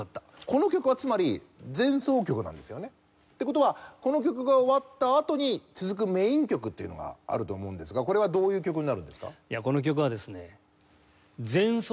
この曲はつまり前奏曲なんですよね？って事はこの曲が終わったあとに続くメイン曲っていうのがあると思うんですがこれはどういう曲になるんですか？